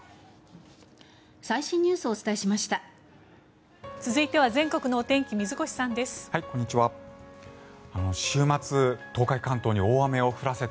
最新ニュースをお伝えしました。